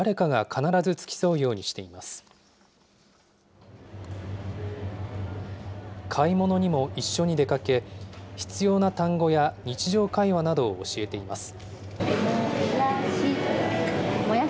買い物にも一緒に出かけ、必要な単語や日常会話などを教えています。